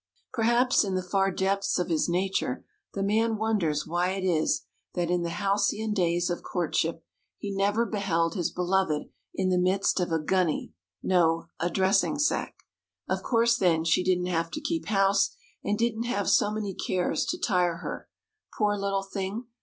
Perhaps, in the far depths of his nature, the man wonders why it was that, in the halcyon days of courtship, he never beheld his beloved in the midst of a gunny no, a dressing sack. Of course, then, she didn't have to keep house, and didn't have so many cares to tire her. Poor little thing!